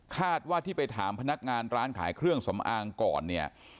คาดว่าที่ไปถามพนักงานร้านขายเครื่องสำอางก่อนเนี่ย